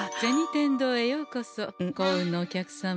天堂へようこそ幸運のお客様。